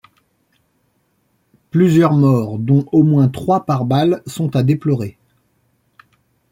Plusieurs morts dont au moins trois par balles sont a déplorer.